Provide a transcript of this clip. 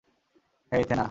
হেই, থেনা!